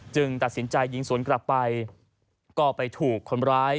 ตัดสินใจยิงสวนกลับไปก็ไปถูกคนร้าย